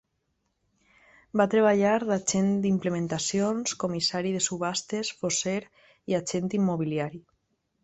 Va treballar d'agent d'implementacions, comissari de subhastes, fosser i agent immobiliari.